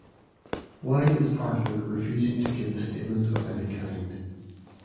Why is Arthur refusing to give a statement of any kind?